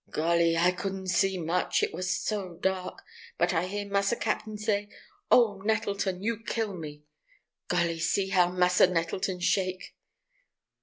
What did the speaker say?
"Golly, I couldn't see much, it war so dark. But I hear massa cap'n say, 'Oh, Nettleton, you kill me!' Golly, see how massa Nettleton shake!"